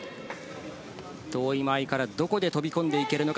遠い間合いからどこで飛び込んでいけるのか。